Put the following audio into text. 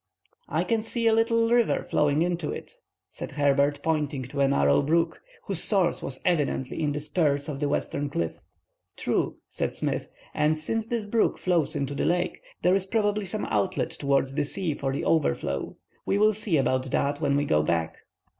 "I can see a little river flowing into it," said Herbert, pointing to a narrow brook whose source was evidently in the spurs of the western cliff. "True," said Smith, "and since this brook flows into the lake, there is probably some outlet towards the sea for the overflow. We will see about that when we go back."